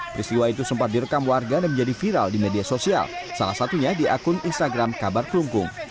peristiwa itu sempat direkam warga dan menjadi viral di media sosial salah satunya di akun instagram kabar kelungkung